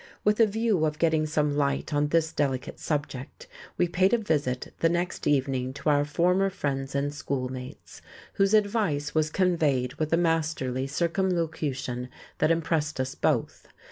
With a view of getting some light on this delicate subject we paid a visit the next evening to our former friends and schoolmates, whose advice was conveyed with a masterly circumlocution that impressed us both.